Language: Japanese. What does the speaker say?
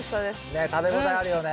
ねっ食べ応えあるよね。